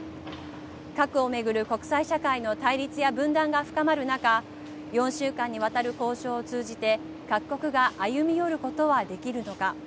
核を巡る国際社会の対立や分断が深まる中４週間にわたる交渉を通じて各国が歩み寄ることはできるのか。